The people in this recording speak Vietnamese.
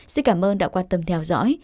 xin cảm ơn đã quan tâm theo dõi